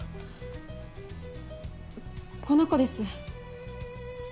この子です。